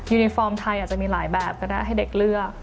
ยูนิฟอร์มไทยอาจจะมีหลายแบบก็ได้ให้เด็กเลือก